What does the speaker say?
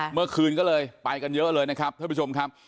เมื่อคืนก็เลยไปกันเยอะเลยนะครับท่านผู้ชมครับ